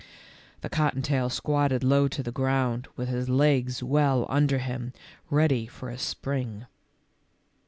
The cotton tail squatted low to the ground with his legs well under him, ready for a spring.